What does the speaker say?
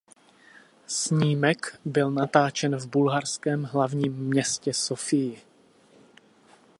Snímek byl natáčen v bulharském hlavním městě Sofii.